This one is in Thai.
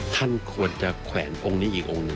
ท่านควรจะแขวนองค์นี้อีกองค์หนึ่ง